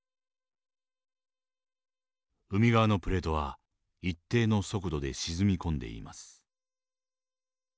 海側のプレートは一定の速度で沈み込んでいます。